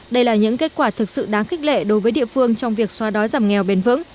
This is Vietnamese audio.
đây là những kết quả thực sự đáng khích lệ đối với địa phương trong việc xóa đói giảm nghèo bền vững